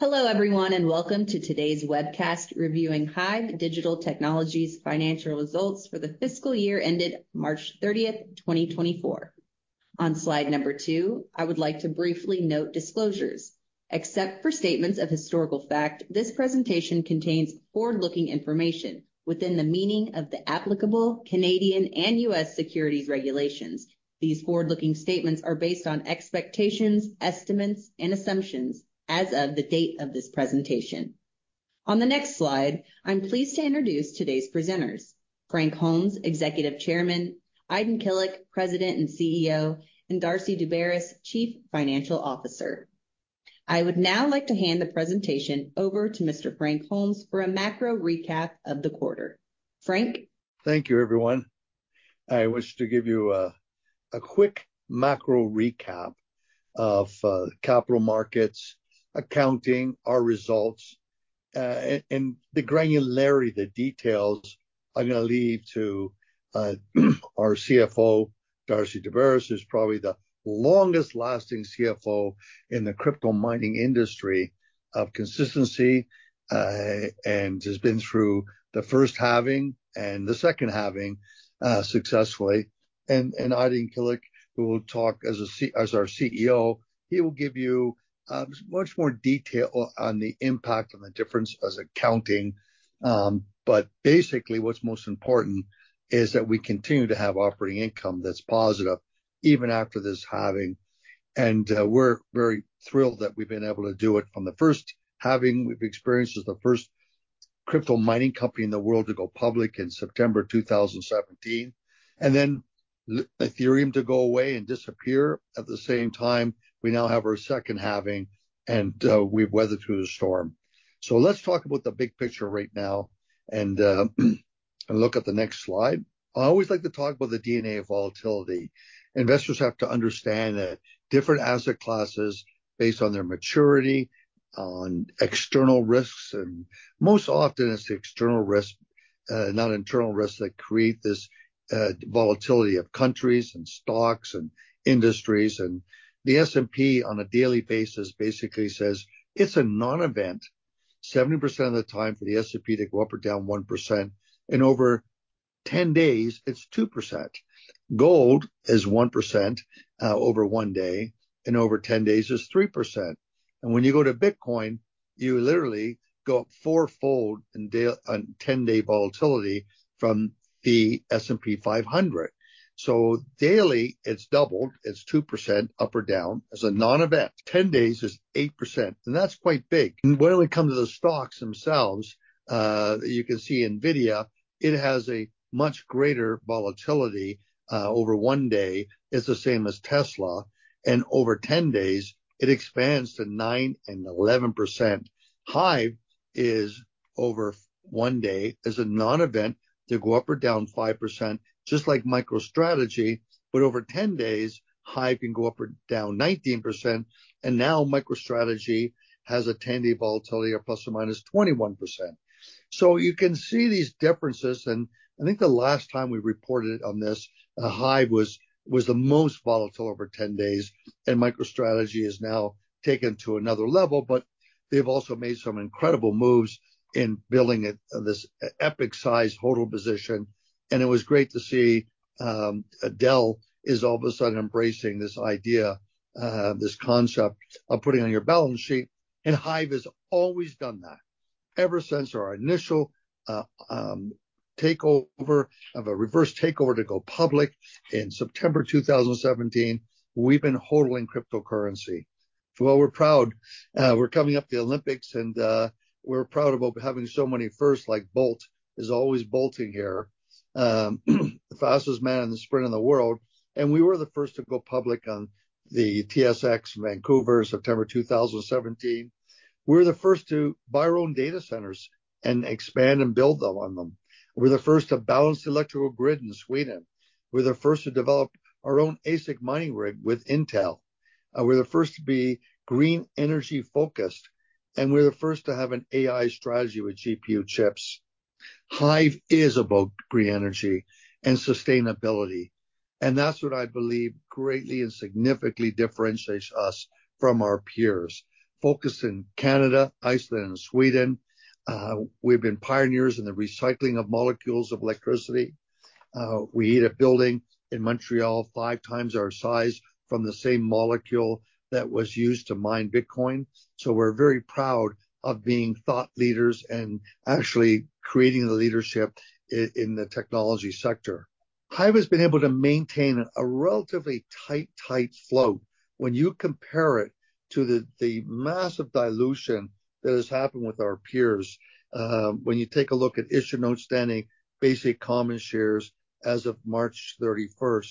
Hello, everyone, and welcome to today's webcast reviewing HIVE Digital Technologies' Financial Results for The Fiscal Year Ended March 30, 2024. On slide number two, I would like to briefly note disclosures. Except for statements of historical fact, this presentation contains forward-looking information within the meaning of the applicable Canadian and U.S. securities regulations. These forward-looking statements are based on expectations, estimates, and assumptions as of the date of this presentation. On the next slide, I'm pleased to introduce today's presenters: Frank Holmes, Executive Chairman; Aydin Kilic, President and CEO; and Darcy Daubaras, Chief Financial Officer. I would now like to hand the presentation over to Mr. Frank Holmes for a macro recap of the quarter. Frank. Thank you, everyone. I wish to give you a quick macro recap of capital markets, accounting, our results, and the granularity, the details I'm going to leave to our CFO, Darcy Daubaras, who's probably the longest-lasting CFO in the crypto mining industry of consistency and has been through the first halving and the second halving successfully. Aydin Kilic, who will talk as our CEO, he will give you much more detail on the impact and the difference as accounting. But basically, what's most important is that we continue to have operating income that's positive even after this halving. We're very thrilled that we've been able to do it from the first halving. We've experienced as the first crypto mining company in the world to go public in September 2017, and then Ethereum to go away and disappear. At the same time, we now have our second halving, and we've weathered through the storm. So let's talk about the big picture right now and look at the next slide. I always like to talk about the DNA of volatility. Investors have to understand that different asset classes, based on their maturity, on external risks, and most often it's the external risk, not internal risks that create this volatility of countries and stocks and industries. And the S&P on a daily basis basically says it's a non-event 70% of the time for the S&P to go up or down 1%. In over 10 days, it's 2%. Gold is 1% over one day, and over 10 days is 3%. And when you go to Bitcoin, you literally go up four-fold in 10-day volatility from the S&P 500. So daily, it's doubled. It's 2% up or down. It's a non-event. 10 days is 8%, and that's quite big. When we come to the stocks themselves, you can see NVIDIA, it has a much greater volatility over one day. It's the same as Tesla. Over 10 days, it expands to 9% and 11%. HIVE is over one day. It's a non-event to go up or down 5%, just like MicroStrategy. Over 10 days, HIVE can go up or down 19%. Now MicroStrategy has a 10-day volatility of ±21%. You can see these differences. I think the last time we reported on this, HIVE was the most volatile over 10 days. MicroStrategy has now taken to another level. They've also made some incredible moves in building this epic-sized holding position. And it was great to see Dell is all of a sudden embracing this idea, this concept of putting on your balance sheet. And HIVE has always done that ever since our initial takeover of a reverse takeover to go public in September 2017. We've been holding cryptocurrency. Well, we're proud. We're coming up the Olympics, and we're proud of having so many firsts. Like Bolt is always bolting here, the fastest man in the sprint in the world. And we were the first to go public on the TSX Vancouver, September 2017. We're the first to buy our own data centers and expand and build on them. We're the first to balance the electrical grid in Sweden. We're the first to develop our own ASIC mining rig with Intel. We're the first to be green energy focused. And we're the first to have an AI strategy with GPU chips. HIVE is about green energy and sustainability. That's what I believe greatly and significantly differentiates us from our peers. Focused in Canada, Iceland, and Sweden, we've been pioneers in the recycling of molecules of electricity. We heat a building in Montreal five times our size from the same molecule that was used to mine Bitcoin. So we're very proud of being thought leaders and actually creating the leadership in the technology sector. HIVE has been able to maintain a relatively tight, tight float. When you compare it to the massive dilution that has happened with our peers, when you take a look at issued and outstanding basic common shares as of March 31,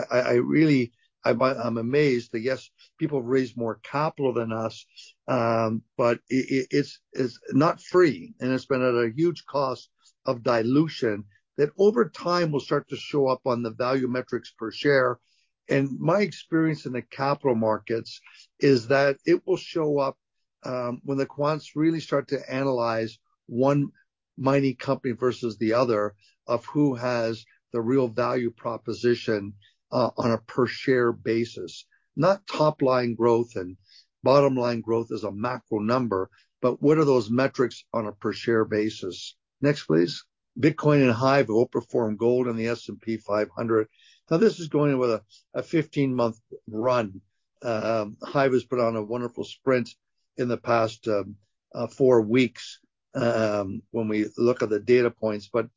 I really am amazed that, yes, people have raised more capital than us, but it's not free. It's been at a huge cost of dilution that over time will start to show up on the value metrics per share. My experience in the capital markets is that it will show up when the quants really start to analyze one mining company versus the other of who has the real value proposition on a per-share basis. Not top-line growth and bottom-line growth as a macro number, but what are those metrics on a per-share basis? Next, please. Bitcoin and HIVE outperform gold and the S&P 500. Now, this is going with a 15-month run. HIVE has put on a wonderful sprint in the past four weeks when we look at the data points. But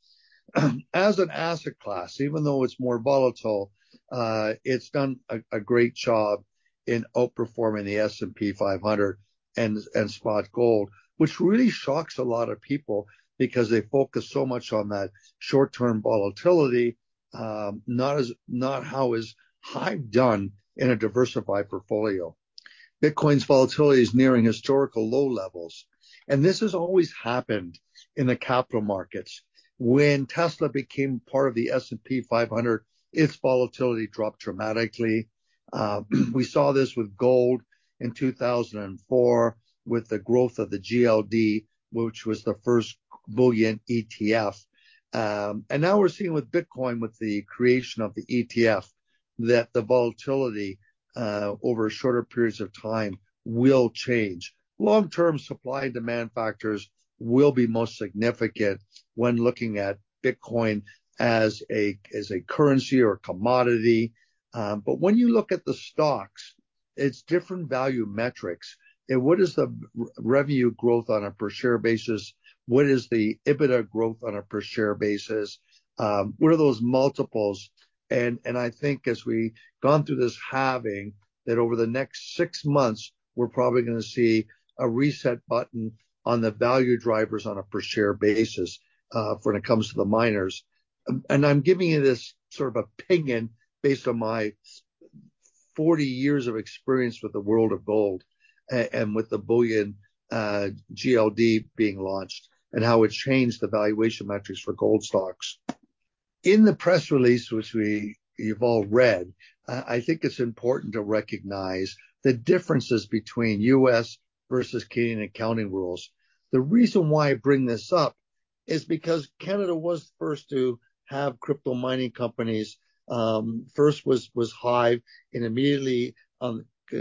as an asset class, even though it's more volatile, it's done a great job in outperforming the S&P 500 and spot gold, which really shocks a lot of people because they focus so much on that short-term volatility, not how has HIVE done in a diversified portfolio. Bitcoin's volatility is nearing historical low levels. This has always happened in the capital markets. When Tesla became part of the S&P 500, its volatility dropped dramatically. We saw this with gold in 2004 with the growth of the GLD, which was the first bullion ETF. Now we're seeing with Bitcoin, with the creation of the ETF, that the volatility over shorter periods of time will change. Long-term supply and demand factors will be most significant when looking at Bitcoin as a currency or commodity. But when you look at the stocks, it's different value metrics. What is the revenue growth on a per-share basis? What is the EBITDA growth on a per-share basis? What are those multiples? I think as we've gone through this halving, that over the next six months, we're probably going to see a reset button on the value drivers on a per-share basis when it comes to the miners. I'm giving you this sort of opinion based on my 40 years of experience with the world of gold and with the bullion GLD being launched and how it changed the valuation metrics for gold stocks. In the press release, which we've all read, I think it's important to recognize the differences between U.S. versus Canadian accounting rules. The reason why I bring this up is because Canada was the first to have crypto mining companies. First was HIVE, and immediately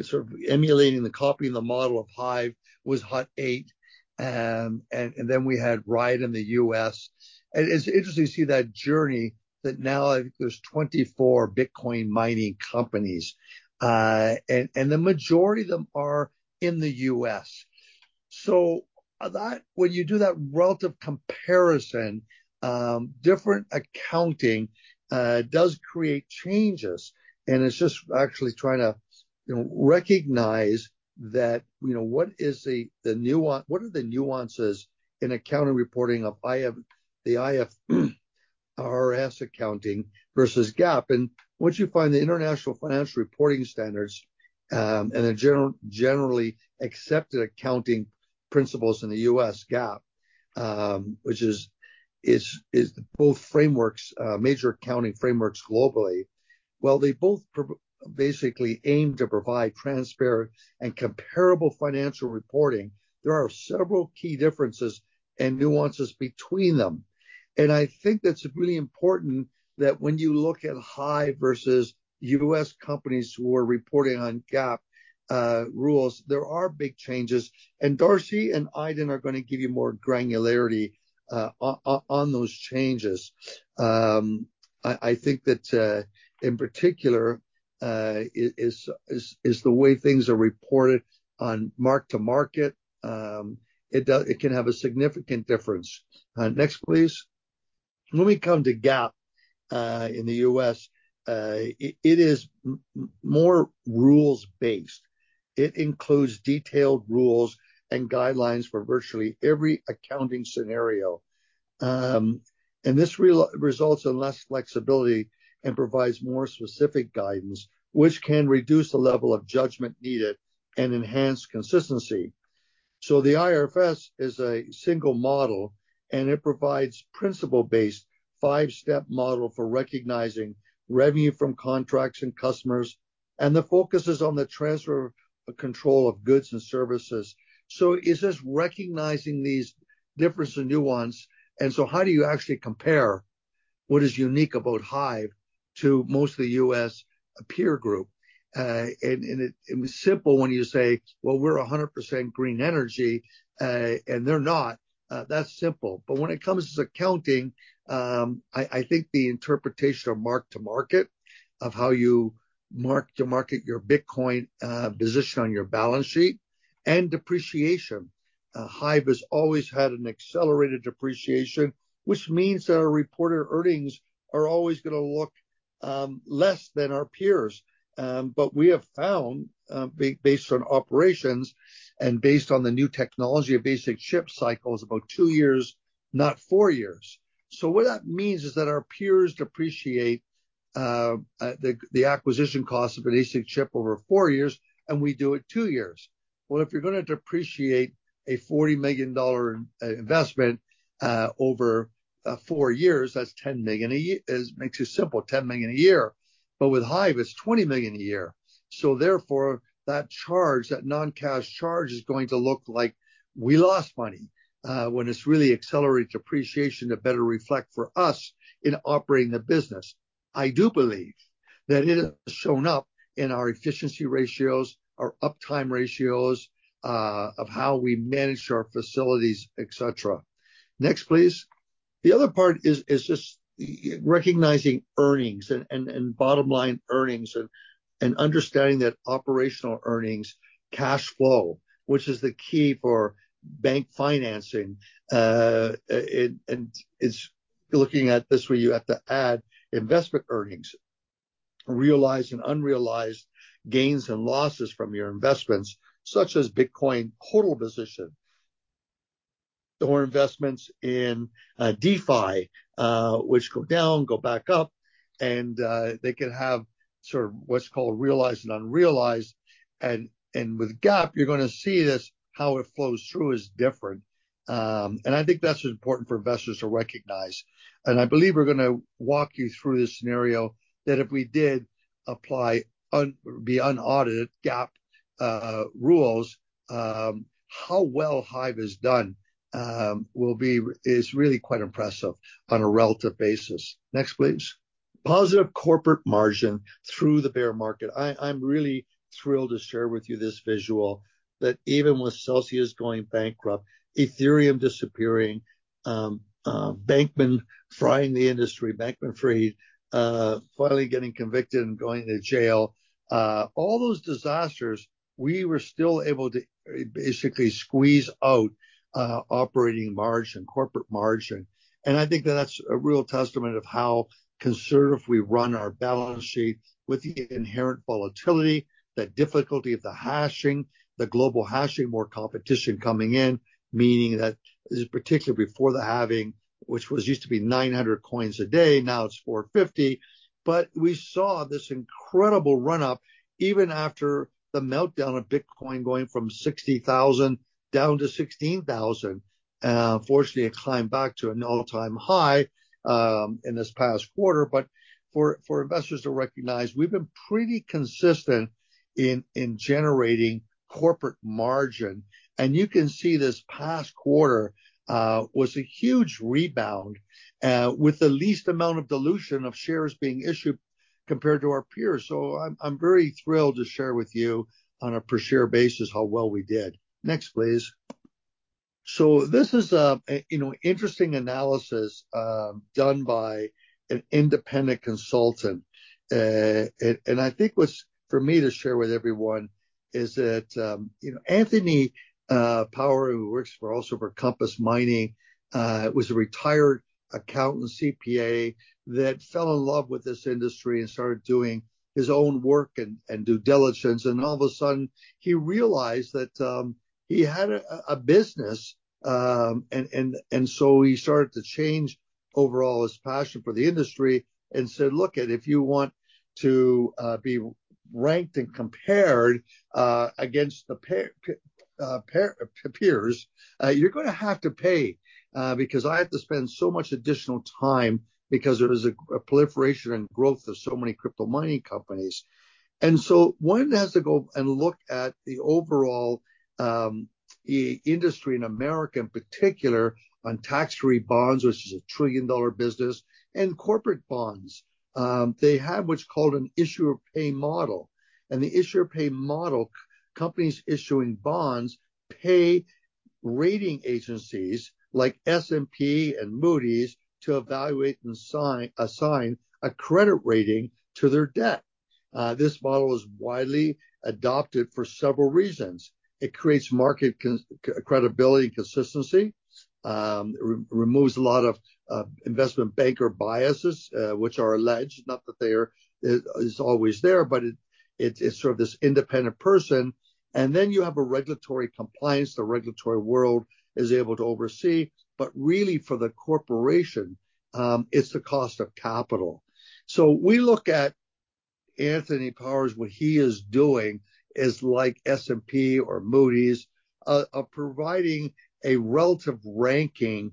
sort of emulating the copy and the model of HIVE was Hut 8. Then we had Riot in the U.S. It's interesting to see that journey that now I think there's 24 Bitcoin mining companies, and the majority of them are in the U.S. When you do that relative comparison, different accounting does create changes. It's just actually trying to recognize that what are the nuances in accounting reporting of the IFRS accounting versus GAAP? Once you find the International Financial Reporting Standards and the generally accepted accounting principles in the U.S., GAAP, which is both major accounting frameworks globally, well, they both basically aim to provide transparent and comparable financial reporting. There are several key differences and nuances between them. I think that's really important that when you look at HIVE versus U.S. Companies who are reporting on GAAP rules, there are big changes. Darcy and Aydin are going to give you more granularity on those changes. I think that in particular, it's the way things are reported on mark-to-market. It can have a significant difference. Next, please. When we come to GAAP in the U.S., it is more rules-based. It includes detailed rules and guidelines for virtually every accounting scenario. This results in less flexibility and provides more specific guidance, which can reduce the level of judgment needed and enhance consistency. The IFRS is a single model, and it provides principle-based five-step model for recognizing revenue from contracts and customers. The focus is on the transfer of control of goods and services. So is this recognizing these differences in nuance? How do you actually compare what is unique about HIVE to most of the U.S. peer group? And it's simple when you say, well, we're 100% green energy, and they're not. That's simple. But when it comes to accounting, I think the interpretation of mark-to-market, of how you mark-to-market your Bitcoin position on your balance sheet, and depreciation. HIVE has always had an accelerated depreciation, which means that our reported earnings are always going to look less than our peers. But we have found, based on operations and based on the new technology of ASIC chip cycles, about two years, not four years. So what that means is that our peers depreciate the acquisition cost of an ASIC chip over four years, and we do it two years. Well, if you're going to depreciate a $40 million investment over four years, that's $10 million a year. It makes it simple, $10 million a year. But with HIVE, it's $20 million a year. Therefore, that charge, that non-cash charge is going to look like we lost money when it's really accelerated depreciation to better reflect for us in operating the business. I do believe that it has shown up in our efficiency ratios, our uptime ratios of how we manage our facilities, et cetera. Next, please. The other part is just recognizing earnings and bottom-line earnings and understanding that operational earnings, cash flow, which is the key for bank financing. It's looking at this where you have to add investment earnings, realized and unrealized gains and losses from your investments, such as Bitcoin holding position or investments in DeFi, which go down, go back up. They can have sort of what's called realized and unrealized. With GAAP, you're going to see how it flows through is different. I think that's important for investors to recognize. I believe we're going to walk you through this scenario that if we did apply the unaudited GAAP rules, how well HIVE has done is really quite impressive on a relative basis. Next, please. Positive corporate margin through the bear market. I'm really thrilled to share with you this visual that even with Celsius going bankrupt, Ethereum disappearing, Bankman-Fried in the industry, Bankman-Fried finally getting convicted and going to jail, all those disasters, we were still able to basically squeeze out operating margin and corporate margin. I think that that's a real testament of how conservative we run our balance sheet with the inherent volatility, the difficulty of the hashing, the global hashing, more competition coming in, meaning that particularly before the halving, which used to be 900 coins a day, now it's 450. But we saw this incredible run-up even after the meltdown of Bitcoin going from 60,000 down to 16,000. Fortunately, it climbed back to an all-time high in this past quarter. But for investors to recognize, we've been pretty consistent in generating corporate margin. And you can see this past quarter was a huge rebound with the least amount of dilution of shares being issued compared to our peers. So I'm very thrilled to share with you on a per-share basis how well we did. Next, please. So this is an interesting analysis done by an independent consultant. And I think for me to share with everyone is that Anthony Power, who works also for Compass Mining, was a retired accountant, CPA, that fell in love with this industry and started doing his own work and due diligence. And all of a sudden, he realized that he had a business. So he started to change overall his passion for the industry and said, "Look, if you want to be ranked and compared against the peers, you're going to have to pay because I have to spend so much additional time because there is a proliferation and growth of so many crypto mining companies." One has to go and look at the overall industry in America in particular on tax-free bonds, which is a trillion-dollar business, and corporate bonds. They have what's called an issuer-pay model. The issuer-pay model, companies issuing bonds pay rating agencies like S&P and Moody’s to evaluate and assign a credit rating to their debt. This model is widely adopted for several reasons. It creates market credibility and consistency, removes a lot of investment banker biases, which are alleged, not that they are always there, but it's sort of this independent person. Then you have regulatory compliance. The regulatory world is able to oversee. But really, for the corporation, it's the cost of capital. So we look at Anthony Power, what he is doing is like S&P or Moody's, providing a relative ranking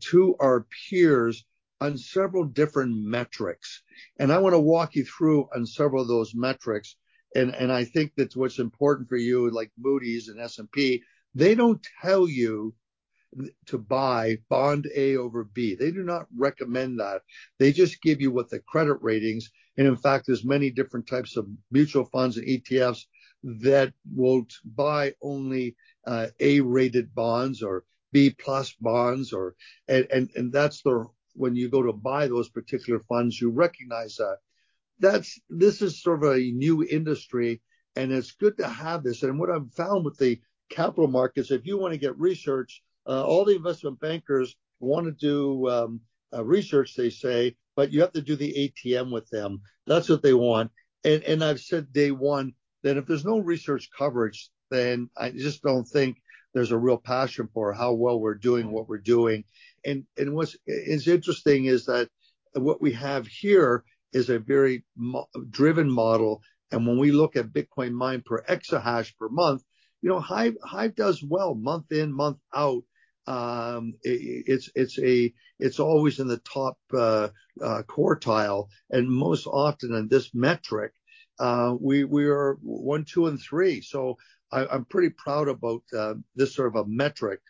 to our peers on several different metrics. And I want to walk you through on several of those metrics. And I think that what's important for you, like Moody's and S&P, they don't tell you to buy bond A over B. They do not recommend that. They just give you what the credit ratings. And in fact, there's many different types of mutual funds and ETFs that won't buy only A-rated bonds or B+ bonds. And that's when you go to buy those particular funds, you recognize that this is sort of a new industry, and it's good to have this. What I've found with the capital markets, if you want to get research, all the investment bankers want to do research, they say, but you have to do the ATM with them. That's what they want. I've said day one that if there's no research coverage, then I just don't think there's a real passion for how well we're doing what we're doing. What's interesting is that what we have here is a very driven model. When we look at Bitcoin mined per exahash per month, HIVE does well month in, month out. It's always in the top quartile. Most often on this metric, we are one, two, and three. I'm pretty proud about this sort of a metric.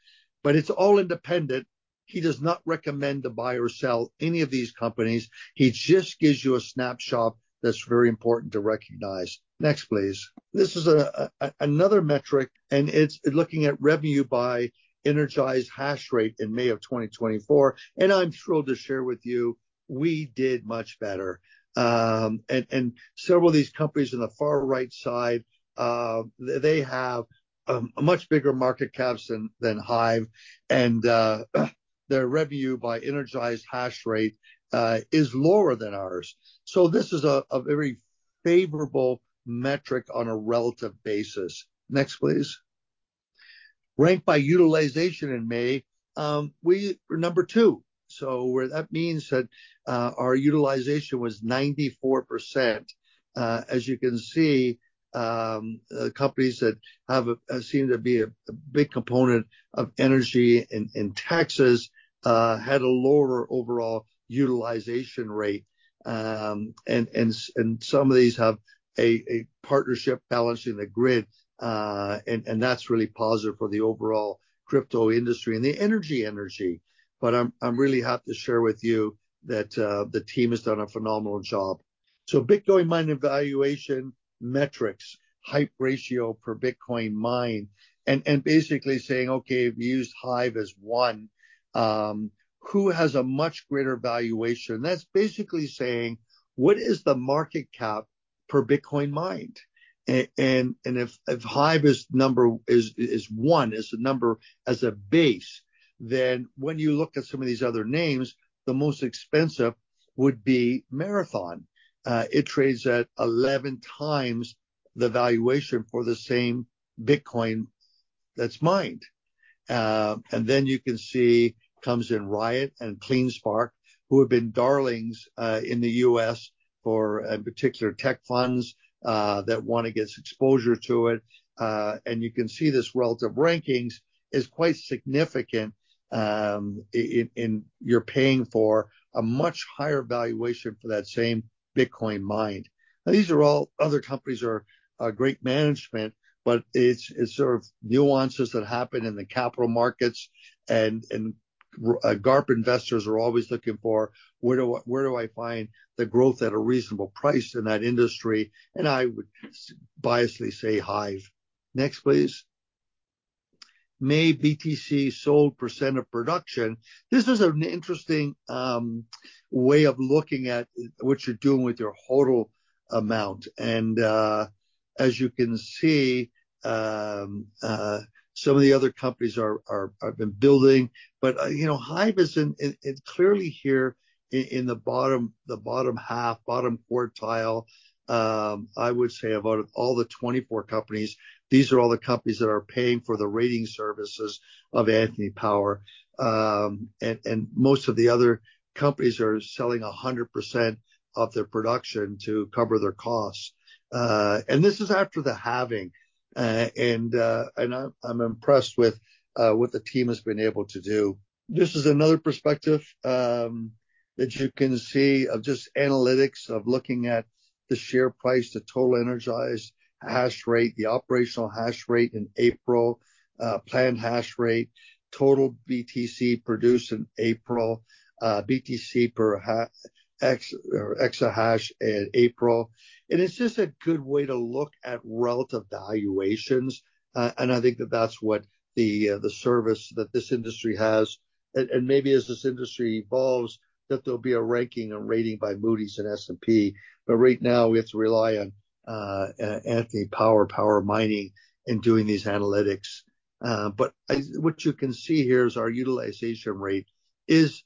But it's all independent. He does not recommend to buy or sell any of these companies. He just gives you a snapshot that's very important to recognize. Next, please. This is another metric, and it's looking at revenue by energized hash rate in May of 2024. I'm thrilled to share with you, we did much better. Several of these companies on the far right side, they have a much bigger market cap than HIVE. Their revenue by energized hash rate is lower than ours. So this is a very favorable metric on a relative basis. Next, please. Ranked by utilization in May, we were number two. That means that our utilization was 94%. As you can see, companies that seem to be a big component of energy in Texas had a lower overall utilization rate. Some of these have a partnership balancing the grid. That's really positive for the overall crypto industry and the energy industry. But I'm really happy to share with you that the team has done a phenomenal job. So Bitcoin mining valuation metrics, HIVE ratio per Bitcoin mined, and basically saying, okay, if you use HIVE as one, who has a much greater valuation? That's basically saying, what is the market cap per Bitcoin mined? And if HIVE is number one, it's a number as a base, then when you look at some of these other names, the most expensive would be Marathon. It trades at 11 times the valuation for the same Bitcoin that's mined. And then you can see comes in Riot and CleanSpark, who have been darlings in the U.S. for particular tech funds that want to get exposure to it. And you can see this relative ranking is quite significant in that you're paying for a much higher valuation for that same Bitcoin mined. Now, these are all other companies are great management, but it's sort of nuances that happen in the capital markets. GARP investors are always looking for, where do I find the growth at a reasonable price in that industry? And I would biasedly say HIVE. Next, please. May BTC sold % of production. This is an interesting way of looking at what you're doing with your total amount. As you can see, some of the other companies have been building. But HIVE is clearly here in the bottom half, bottom quartile, I would say of all the 24 companies. These are all the companies that are paying for the rating services of Anthony Power. Most of the other companies are selling 100% of their production to cover their costs. This is after the halving. I'm impressed with what the team has been able to do. This is another perspective that you can see of just analytics of looking at the share price, the total energized hash rate, the operational hash rate in April, planned hash rate, total BTC produced in April, BTC per exahash in April. It's just a good way to look at relative valuations. I think that that's what the service that this industry has. Maybe as this industry evolves, that there'll be a ranking and rating by Moody’s and S&P. But right now, we have to rely on Anthony Power, Power Mining, and doing these analytics. But what you can see here is our utilization rate is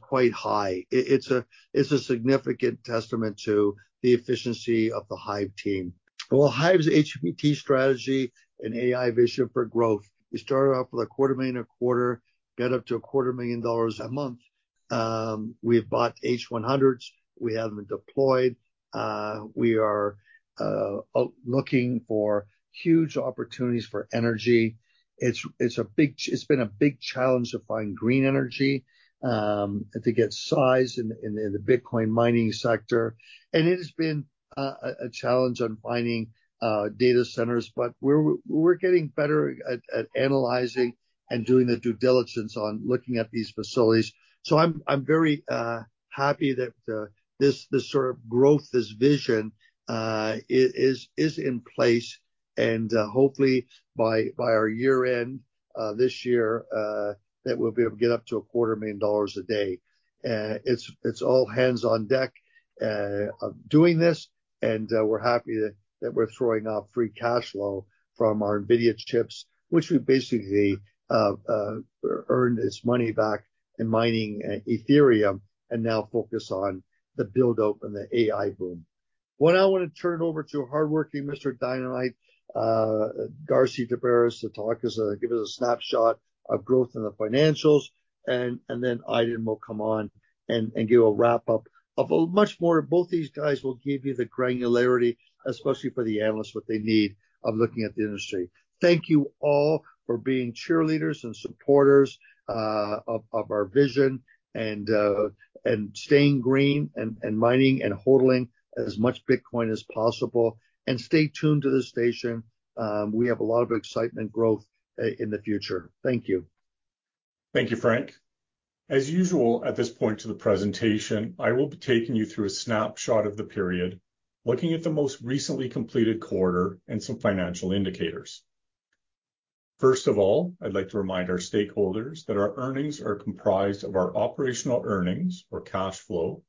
quite high. It's a significant testament to the efficiency of the HIVE team. Well, HIVE's HVT strategy and AI vision for growth. We started off with $250,000 a quarter, got up to $250,000 a month. We've bought H100s. We haven't deployed. We are looking for huge opportunities for energy. It's been a big challenge to find green energy and to get size in the Bitcoin mining sector. And it has been a challenge on finding data centers. But we're getting better at analyzing and doing the due diligence on looking at these facilities. So I'm very happy that this sort of growth, this vision is in place. And hopefully, by our year-end this year, that we'll be able to get up to $250,000 a day. It's all hands on deck of doing this. And we're happy that we're throwing off free cash flow from our NVIDIA chips, which we basically earned this money back in mining Ethereum and now focus on the build-up and the AI boom. Well, now I want to turn it over to hardworking Mr. Darcy Daubaras to talk us, give us a snapshot of growth in the financials. Then Aydin will come on and give a wrap-up of a much more both these guys will give you the granularity, especially for the analysts, what they need of looking at the industry. Thank you all for being cheerleaders and supporters of our vision and staying green and mining and holding as much Bitcoin as possible. Stay tuned to the station. We have a lot of excitement growth in the future. Thank you. Thank you, Frank. As usual at this point of the presentation, I will be taking you through a snapshot of the period, looking at the most recently completed quarter and some financial indicators. First of all, I'd like to remind our stakeholders that our earnings are comprised of our operational earnings or cash flow,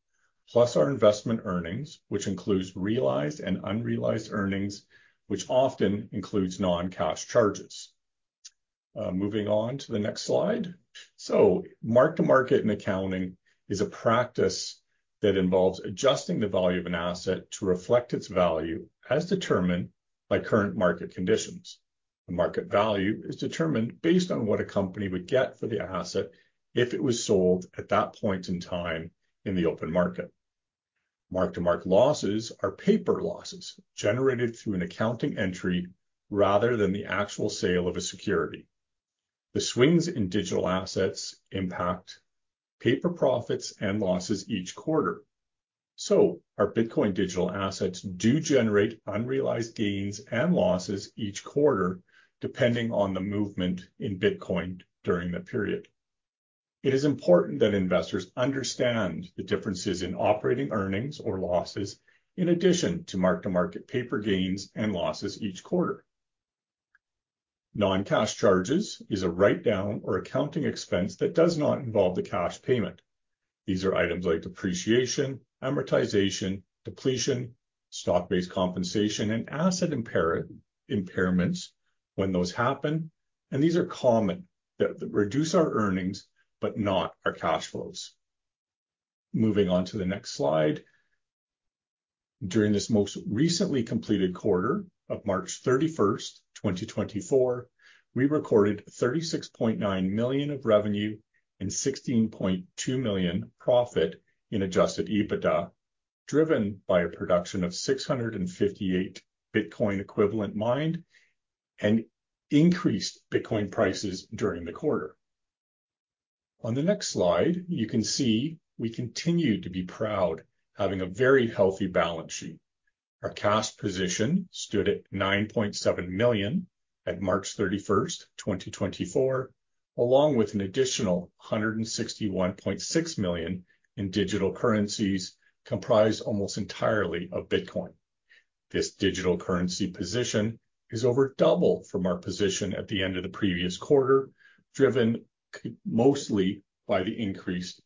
plus our investment earnings, which includes realized and unrealized earnings, which often includes non-cash charges. Moving on to the next slide. So mark-to-market in accounting is a practice that involves adjusting the value of an asset to reflect its value as determined by current market conditions. The market value is determined based on what a company would get for the asset if it was sold at that point in time in the open market. Mark-to-market losses are paper losses generated through an accounting entry rather than the actual sale of a security. The swings in digital assets impact paper profits and losses each quarter. So our Bitcoin digital assets do generate unrealized gains and losses each quarter depending on the movement in Bitcoin during the period. It is important that investors understand the differences in operating earnings or losses in addition to mark-to-market paper gains and losses each quarter. Non-cash charges is a write-down or accounting expense that does not involve the cash payment. These are items like depreciation, amortization, depletion, stock-based compensation, and asset impairments when those happen. These are common that reduce our earnings, but not our cash flows. Moving on to the next slide. During this most recently completed quarter of March 31st, 2024, we recorded $36.9 million of revenue and $16.2 million profit in adjusted EBITDA, driven by a production of 658 Bitcoin equivalent mined and increased Bitcoin prices during the quarter. On the next slide, you can see we continue to be proud having a very healthy balance sheet. Our cash position stood at $9.7 million at March 31st, 2024, along with an additional $161.6 million in digital currencies comprised almost entirely of Bitcoin. This digital currency position is over double from our position at the end of the previous quarter, driven mostly by the increase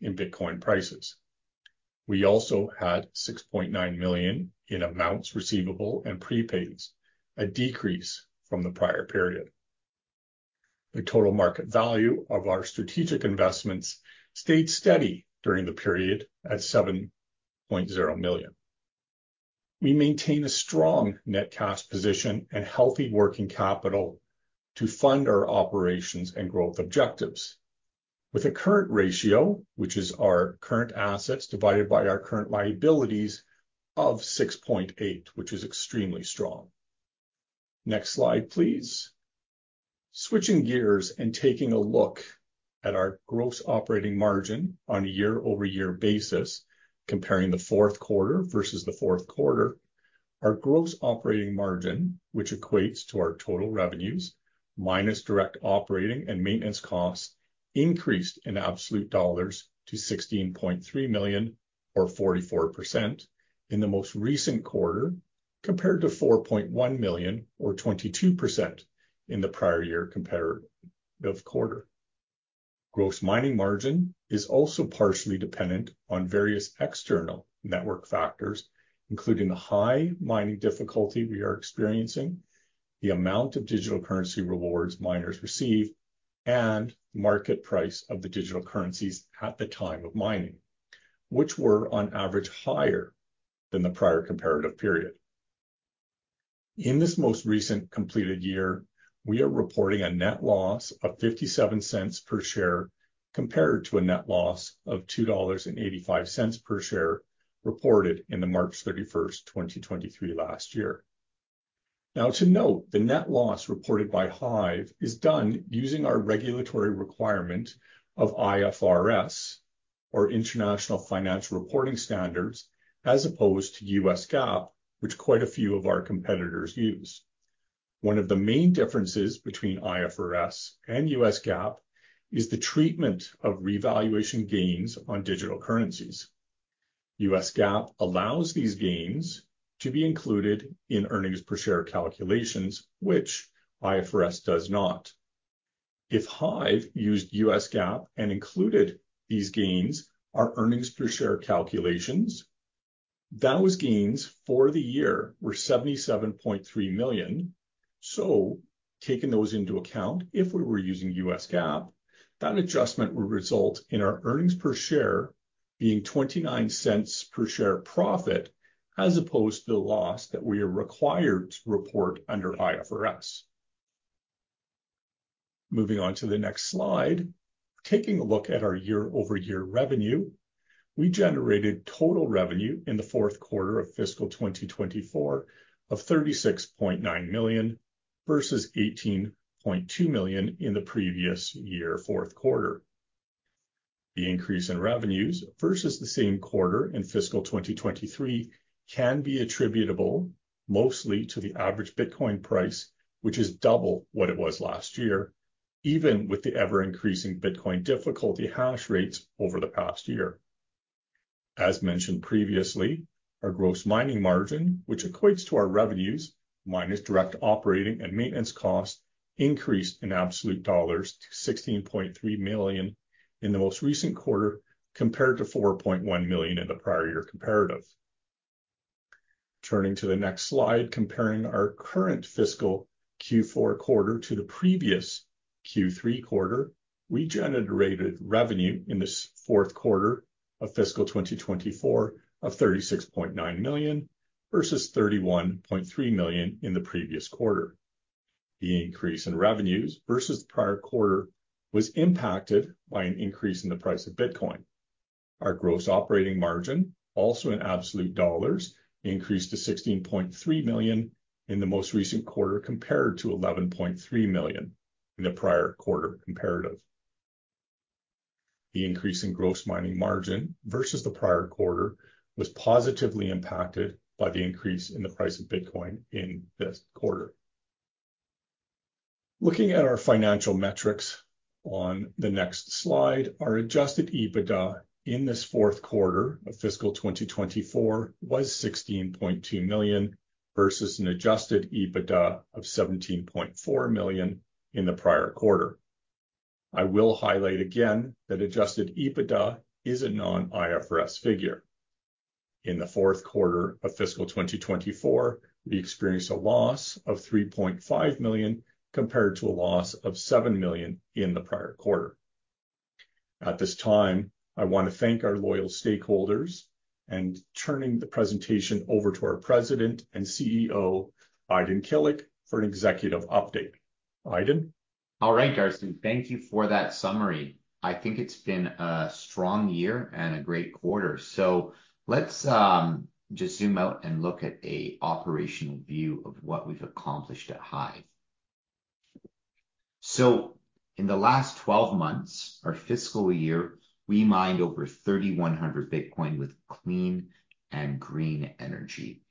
in Bitcoin prices. We also had $6.9 million in amounts receivable and prepayments, a decrease from the prior period. The total market value of our strategic investments stayed steady during the period at $7.0 million. We maintain a strong net cash position and healthy working capital to fund our operations and growth objectives. With a current ratio, which is our current assets divided by our current liabilities of 6.8, which is extremely strong. Next slide, please. Switching gears and taking a look at our gross operating margin on a year-over-year basis, comparing the fourth quarter versus the fourth quarter, our gross operating margin, which equates to our total revenues minus direct operating and maintenance costs, increased in absolute dollars to $16.3 million or 44% in the most recent quarter, compared to $4.1 million or 22% in the prior year comparative quarter. Gross mining margin is also partially dependent on various external network factors, including the high mining difficulty we are experiencing, the amount of digital currency rewards miners receive, and the market price of the digital currencies at the time of mining, which were on average higher than the prior comparative period. In this most recent completed year, we are reporting a net loss of $0.57 per share compared to a net loss of $2.85 per share reported in March 31st, 2023, last year. Now, to note, the net loss reported by HIVE is done using our regulatory requirement of IFRS, or International Financial Reporting Standards, as opposed to U.S. GAAP, which quite a few of our competitors use. One of the main differences between IFRS and U.S. GAAP is the treatment of revaluation gains on digital currencies. U.S. GAAP allows these gains to be included in earnings per share calculations, which IFRS does not. If HIVE used U.S. GAAP and included these gains in our earnings per share calculations, those gains for the year were 77.3 million. So, taking those into account, if we were using U.S. GAAP, that adjustment would result in our earnings per share being 0.29 per share profit as opposed to the loss that we are required to report under IFRS. Moving on to the next slide, taking a look at our year-over-year revenue, we generated total revenue in the fourth quarter of fiscal 2024 of $36.9 million versus $18.2 million in the previous year fourth quarter. The increase in revenues versus the same quarter in fiscal 2023 can be attributable mostly to the average Bitcoin price, which is double what it was last year, even with the ever-increasing Bitcoin difficulty hash rates over the past year. As mentioned previously, our gross mining margin, which equates to our revenues minus direct operating and maintenance costs, increased in absolute dollars to $16.3 million in the most recent quarter compared to $4.1 million in the prior year comparative. Turning to the next slide, comparing our current fiscal Q4 quarter to the previous Q3 quarter, we generated revenue in this fourth quarter of fiscal 2024 of $36.9 million versus $31.3 million in the previous quarter. The increase in revenues versus the prior quarter was impacted by an increase in the price of Bitcoin. Our gross operating margin, also in absolute dollars, increased to $16.3 million in the most recent quarter compared to $11.3 million in the prior quarter comparative. The increase in gross mining margin versus the prior quarter was positively impacted by the increase in the price of Bitcoin in this quarter. Looking at our financial metrics on the next slide, our adjusted EBITDA in this fourth quarter of fiscal 2024 was $16.2 million versus an adjusted EBITDA of $17.4 million in the prior quarter. I will highlight again that adjusted EBITDA is a non-IFRS figure. In the fourth quarter of fiscal 2024, we experienced a loss of $3.5 million compared to a loss of $7 million in the prior quarter. At this time, I want to thank our loyal stakeholders and turn the presentation over to our President and CEO, Aydin Kilic, for an executive update. Ayden? All right, Darcy. Thank you for that summary. I think it's been a strong year and a great quarter. So let's just zoom out and look at an operational view of what we've accomplished at HIVE. So in the last 12 months, our fiscal year, we mined over 3,100 Bitcoin with clean and green energy.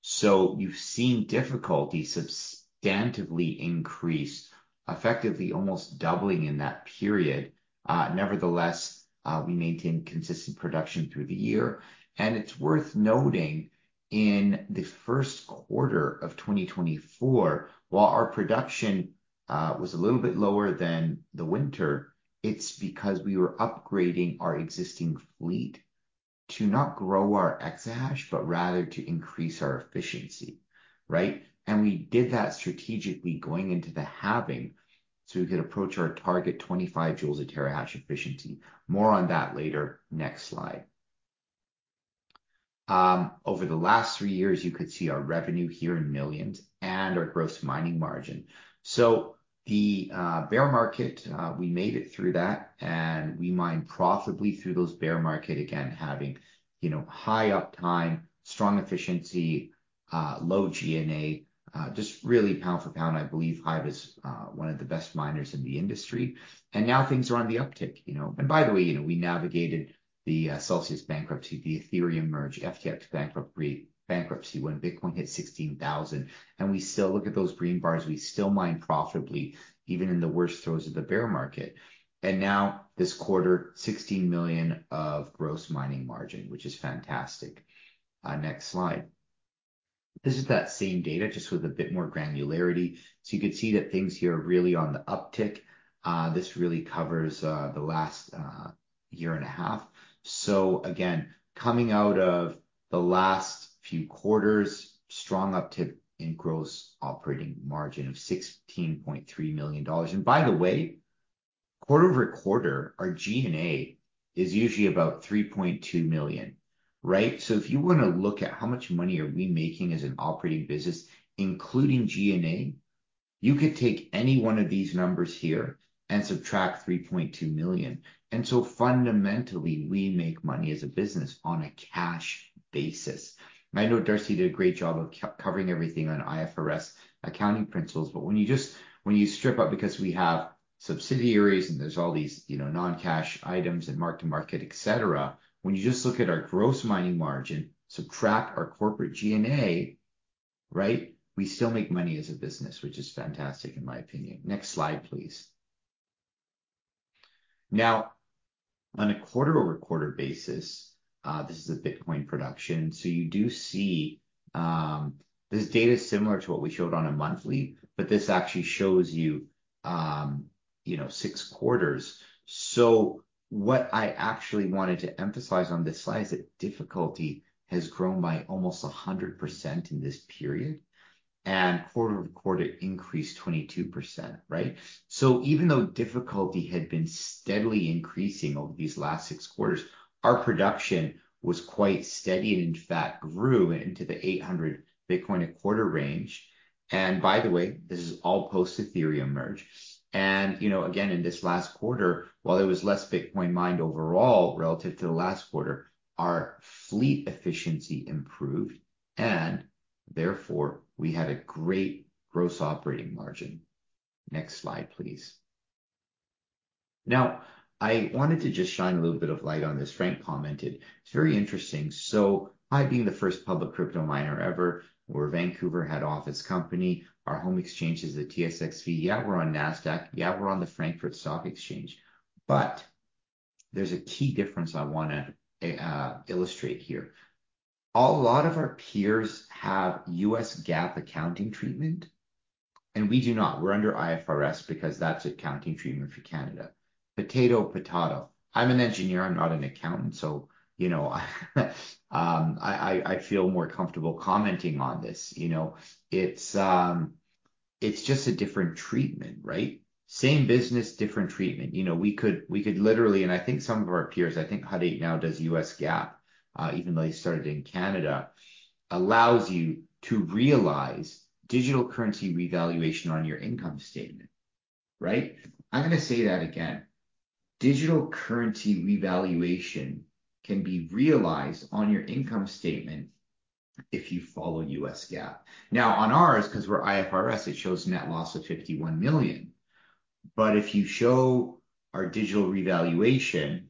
So you've seen difficulty substantively increase, effectively almost doubling in that period. Nevertheless, we maintained consistent production through the year. It's worth noting in the first quarter of 2024, while our production was a little bit lower than the winter, it's because we were upgrading our existing fleet to not grow our exahash, but rather to increase our efficiency. Right? And we did that strategically going into the halving so we could approach our target 25 joules per terahash efficiency. More on that later. Next slide. Over the last three years, you could see our revenue here in millions and our gross mining margin. So the bear market, we made it through that. And we mined profitably through those bear market, again, having high uptime, strong efficiency, low G&A, just really pound for pound. I believe HIVE is one of the best miners in the industry. And now things are on the uptick. And by the way, we navigated the Celsius bankruptcy, the Ethereum merge, FTX bankruptcy when Bitcoin hit 16,000. And we still look at those green bars. We still mine profitably, even in the worst throes of the bear market. And now this quarter, $16 million of gross mining margin, which is fantastic. Next slide. This is that same data, just with a bit more granularity. So you could see that things here are really on the uptick. This really covers the last year and a half. So again, coming out of the last few quarters, strong uptick in gross operating margin of $16.3 million. And by the way, quarter-over-quarter, our G&A is usually about $3.2 million. Right? So if you want to look at how much money are we making as an operating business, including G&A, you could take any one of these numbers here and subtract $3.2 million. And so fundamentally, we make money as a business on a cash basis. And I know Darcy did a great job of covering everything on IFRS accounting principles, but when you just strip it out, because we have subsidiaries and there's all these non-cash items and mark-to-market, et cetera, when you just look at our gross mining margin, subtract our corporate G&A, right, we still make money as a business, which is fantastic in my opinion. Next slide, please. Now, on a quarter-over-quarter basis, this is the Bitcoin production. So you do see this data is similar to what we showed on a monthly, but this actually shows you six quarters. So what I actually wanted to emphasize on this slide is that difficulty has grown by almost 100% in this period. And quarter-over-quarter, it increased 22%. Right? So even though difficulty had been steadily increasing over these last six quarters, our production was quite steady and in fact grew into the 800 Bitcoin a quarter range. And by the way, this is all post-Ethereum merge. And again, in this last quarter, while there was less Bitcoin mined overall relative to the last quarter, our fleet efficiency improved. And therefore, we had a great gross operating margin. Next slide, please. Now, I wanted to just shine a little bit of light on this. Frank commented, "It's very interesting." So HIVE being the first public crypto miner ever, we're a Vancouver head office company. Our home exchange is the TSXV. Yeah, we're on NASDAQ. Yeah, we're on the Frankfurt Stock Exchange. But there's a key difference I want to illustrate here. A lot of our peers have U.S. GAAP accounting treatment, and we do not. We're under IFRS because that's accounting treatment for Canada. Potato, potato. I'm an engineer. I'm not an accountant. So I feel more comfortable commenting on this. It's just a different treatment, right? Same business, different treatment. We could literally, and I think some of our peers, I think HIVE now does U.S. GAAP, even though he started in Canada, allows you to realize digital currency revaluation on your income statement. Right? I'm going to say that again. Digital currency revaluation can be realized on your income statement if you follow U.S. GAAP. Now, on ours, because we're IFRS, it shows net loss of 51 million. But if you show our digital revaluation,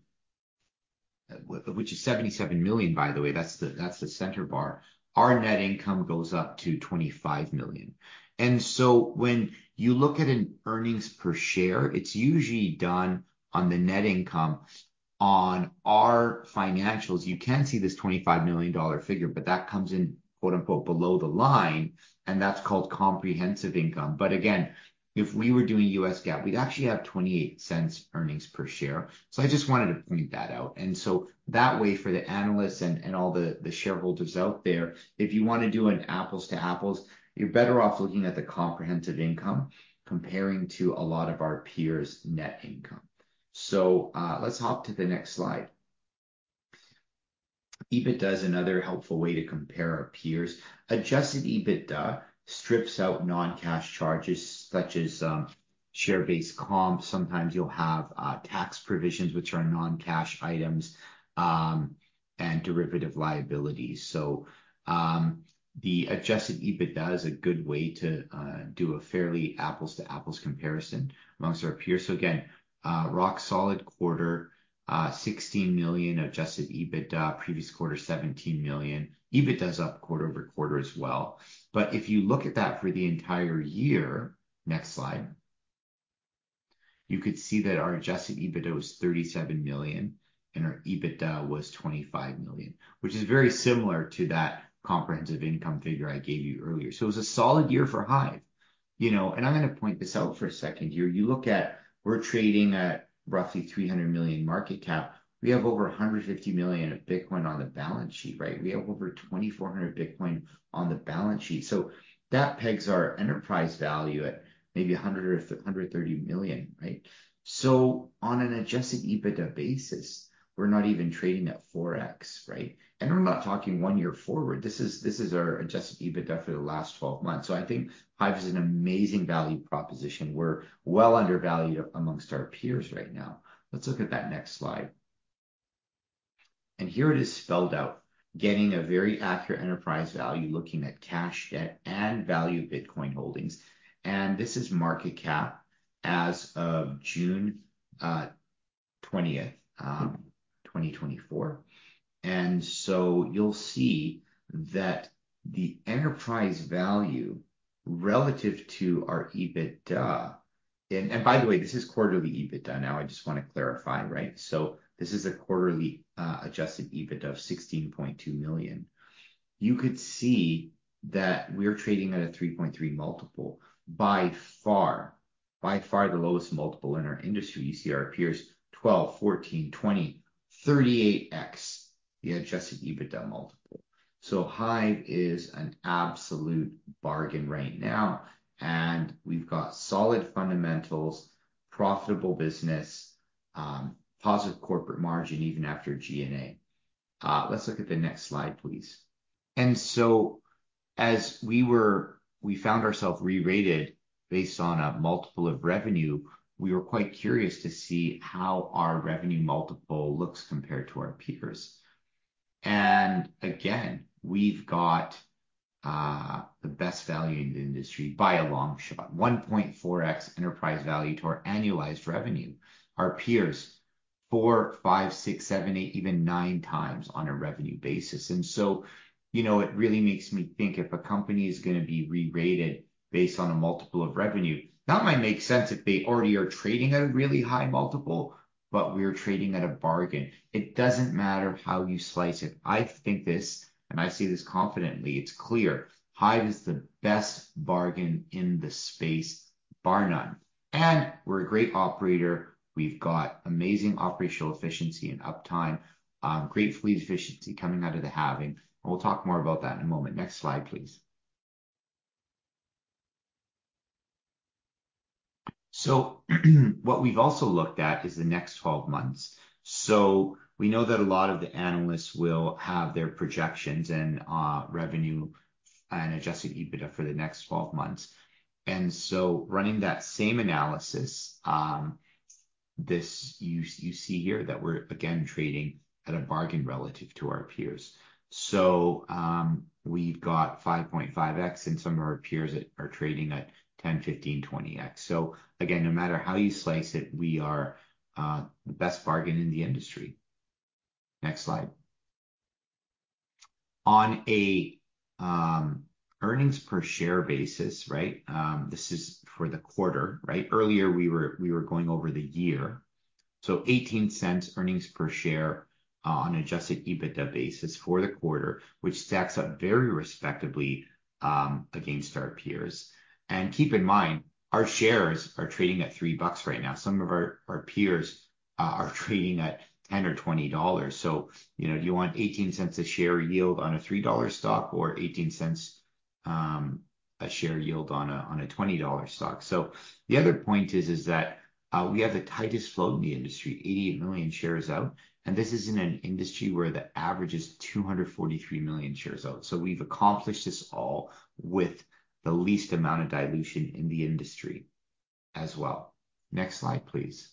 which is $77 million, by the way, that's the center bar, our net income goes up to $25 million. And so when you look at an earnings per share, it's usually done on the net income on our financials. You can see this $25 million figure, but that comes in, quote unquote, "below the line," and that's called comprehensive income. But again, if we were doing U.S. GAAP, we'd actually have $0.28 earnings per share. So I just wanted to point that out. And so that way, for the analysts and all the shareholders out there, if you want to do an apples to apples, you're better off looking at the comprehensive income comparing to a lot of our peers' net income. So let's hop to the next slide. EBITDA is another helpful way to compare our peers. Adjusted EBITDA strips out non-cash charges such as share-based comp. Sometimes you'll have tax provisions, which are non-cash items, and derivative liabilities. So the adjusted EBITDA is a good way to do a fairly apples to apples comparison amongst our peers. So again, rock solid quarter, $16 million adjusted EBITDA, previous quarter $17 million. EBITDA is up quarter-over-quarter as well. But if you look at that for the entire year, next slide, you could see that our adjusted EBITDA was $37 million and our EBITDA was $25 million, which is very similar to that comprehensive income figure I gave you earlier. So it was a solid year for HIVE. And I'm going to point this out for a second here. You look at we're trading at roughly $300 million market cap. We have over $150 million of Bitcoin on the balance sheet, right? We have over 2,400 Bitcoin on the balance sheet. So that pegs our enterprise value at maybe $100 million or $130 million, right? So on an Adjusted EBITDA basis, we're not even trading at 4x, right? And we're not talking one year forward. This is our Adjusted EBITDA for the last 12 months. So I think HIVE is an amazing value proposition. We're well undervalued amongst our peers right now. Let's look at that next slide. And here it is spelled out, getting a very accurate enterprise value looking at cash, debt and value of Bitcoin holdings. And this is market cap as of June 20th, 2024. And so you'll see that the enterprise value relative to our EBITDA, and by the way, this is quarterly EBITDA now. I just want to clarify, right? So this is a quarterly Adjusted EBITDA of $16.2 million. You could see that we're trading at a 3.3 multiple by far, by far the lowest multiple in our industry. You see our peers 12, 14, 20, 38x the Adjusted EBITDA multiple. So HIVE is an absolute bargain right now. We've got solid fundamentals, profitable business, positive corporate margin even after G&A. Let's look at the next slide, please. So as we found ourselves re-rated based on a multiple of revenue, we were quite curious to see how our revenue multiple looks compared to our peers. Again, we've got the best value in the industry by a long shot, 1.4x enterprise value to our annualized revenue. Our peers four, five, six, seven, eight, even 9x on a revenue basis. So it really makes me think if a company is going to be re-rated based on a multiple of revenue, that might make sense if they already are trading at a really high multiple, but we're trading at a bargain. It doesn't matter how you slice it. I think this, and I say this confidently, it's clear. HIVE is the best bargain in the space, bar none. We're a great operator. We've got amazing operational efficiency and uptime, great fleet efficiency coming out of the halving. And we'll talk more about that in a moment. Next slide, please. What we've also looked at is the next 12 months. We know that a lot of the analysts will have their projections and revenue and adjusted EBITDA for the next 12 months. So running that same analysis, this you see here that we're again trading at a bargain relative to our peers. So we've got 5.5x and some of our peers are trading at 10x, 15x, 20x. So again, no matter how you slice it, we are the best bargain in the industry. Next slide. On an earnings per share basis, right? This is for the quarter, right? Earlier, we were going over the year. So $0.18 earnings per share on an adjusted EBITDA basis for the quarter, which stacks up very respectably against our peers. And keep in mind, our shares are trading at $3 right now. Some of our peers are trading at $10 or $20. So do you want $0.18 a share yield on a $3 stock or $0.18 a share yield on a $20 stock? So the other point is that we have the tightest float in the industry, 88 million shares out. And this is in an industry where the average is 243 million shares out. So we've accomplished this all with the least amount of dilution in the industry as well. Next slide, please.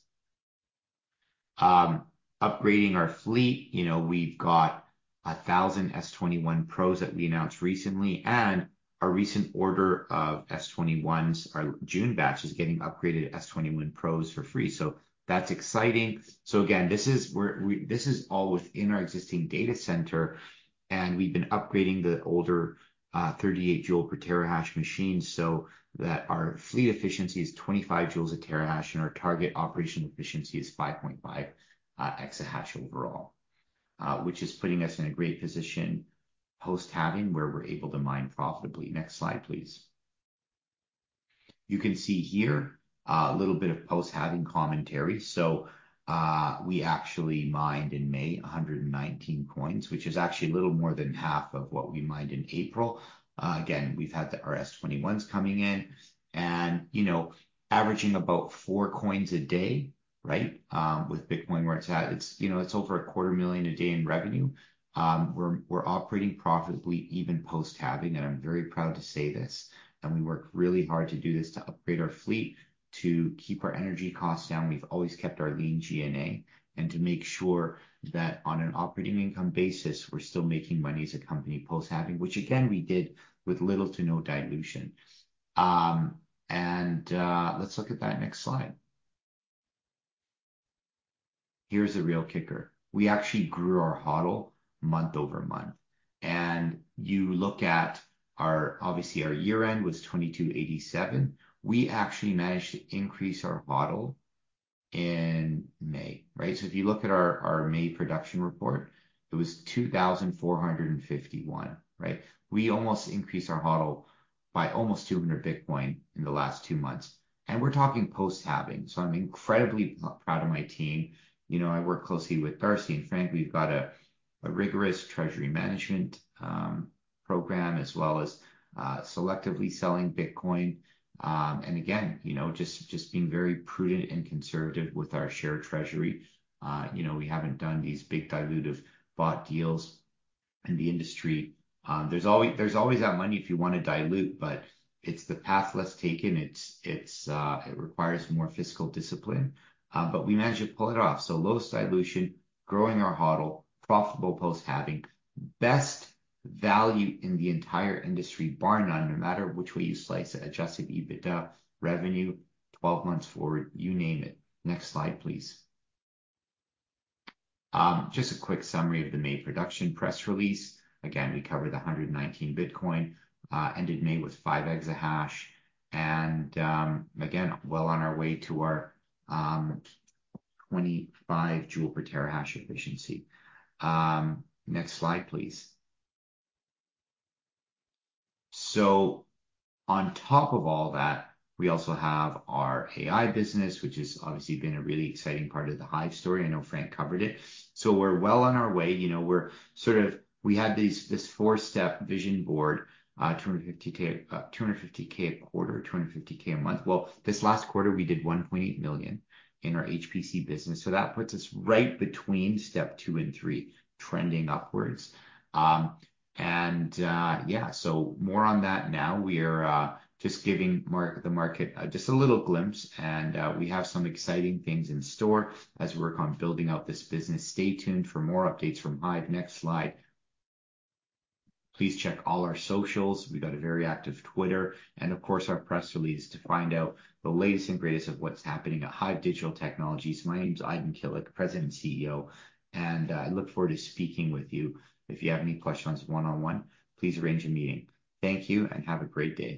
Upgrading our fleet. We've got 1,000 S21 Pros that we announced recently. And our recent order of S21s, our June batch is getting upgraded S21 Pros for free. So that's exciting. So again, this is all within our existing data center. And we've been upgrading the older 38 joule per terahash machines so that our fleet efficiency is 25 joules a terahash and our target operational efficiency is 5.5 exahash overall, which is putting us in a great position post-halving where we're able to mine profitably. Next slide, please. You can see here a little bit of post-halving commentary. So we actually mined in May 119 coins, which is actually a little more than half of what we mined in April. Again, we've had the S21s coming in and averaging about 4 coins a day, right? With Bitcoin, where it's at, it's over $250,000 a day in revenue. We're operating profitably even post-halving, and I'm very proud to say this. And we worked really hard to do this to upgrade our fleet, to keep our energy costs down. We've always kept our lean G&A and to make sure that on an operating income basis, we're still making money as a company post-halving, which again, we did with little to no dilution. And let's look at that next slide. Here's the real kicker. We actually grew our HODL month-over-month. You look at our, obviously, our year-end was 2,287. We actually managed to increase our HODL in May, right? So if you look at our May production report, it was 2,451, right? We almost increased our HODL by almost 200 Bitcoin in the last two months. We're talking post-halving. So I'm incredibly proud of my team. I work closely with Darcy and Frank. We've got a rigorous treasury management program as well as selectively selling Bitcoin. And again, just being very prudent and conservative with our share treasury. We haven't done these big dilutive debt deals in the industry. There's always that money if you want to dilute, but it's the path less taken. It requires more fiscal discipline. But we managed to pull it off. So lowest dilution, growing our HODL, profitable post-halving, best value in the entire industry, bar none, no matter which way you slice it, Adjusted EBITDA, revenue, 12 months forward, you name it. Next slide, please. Just a quick summary of the May production press release. Again, we covered the 119 Bitcoin, ended May with 5 exahash rate. And again, well on our way to our 25 J/TH efficiency. Next slide, please. So on top of all that, we also have our AI business, which has obviously been a really exciting part of the HIVE story. I know Frank covered it. So we're well on our way. We're sort of, we had this four-step vision board, $250,000 a quarter, $250,000 a month. Well, this last quarter, we did $1.8 million in our HPC business. So that puts us right between step two and three, trending upwards. Yeah, so more on that now. We are just giving the market just a little glimpse. And we have some exciting things in store as we work on building out this business. Stay tuned for more updates from HIVE. Next slide. Please check all our socials. We've got a very active Twitter. And of course, our press release to find out the latest and greatest of what's happening at HIVE Digital Technologies. My name is Aydin Kilic, President and CEO. And I look forward to speaking with you. If you have any questions, one-on-one, please arrange a meeting. Thank you and have a great day.